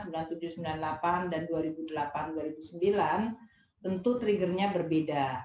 tahun seribu sembilan ratus sembilan puluh delapan dan dua ribu delapan dua ribu sembilan tentu trigger nya berbeda